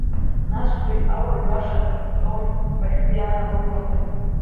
Нас уи ауаҩ баша дтәон ҳәа шәгәы иаанагома?